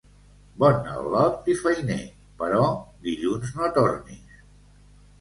Bon al·lot i feiner, però dilluns no tornis.